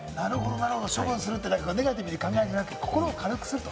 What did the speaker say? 処分するってネガティブに考えるんじゃなくて、心を軽くする。